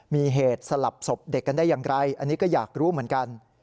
มีเหตุสลับศพเด็กกันได้อย่างไรอันนี้ก็อยากรู้เหมือนกัน